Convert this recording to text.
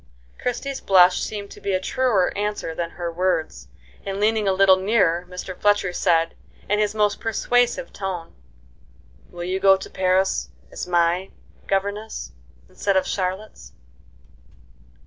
Christie's blush seemed to be a truer answer than her words, and, leaning a little nearer, Mr. Fletcher said, in his most persuasive tone: "Will you go to Paris as my governess, instead of Charlotte's?"